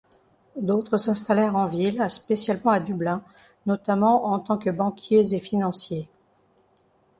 D'autres s'installèrent en ville, spécialement à Dublin, notamment en tant que banquiers et financiers.